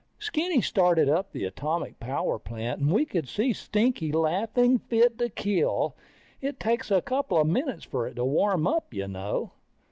Skinny started up the atomic power plant, and we could see Stinky laughing fit to kill. It takes a couple of minutes for it to warm up, you know.